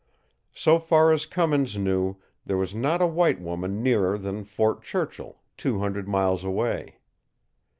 So far as Cummins knew, there was not a white woman nearer than Fort Churchill, two hundred miles away.